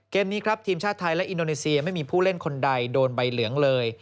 เกมนี้ครับทีมชาติไทยและอินโดนีเซียไม่มีผู้เล่นคนใดโดนใบเหลืองเลย